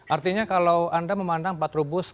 artinya kalau anda memandang patrubus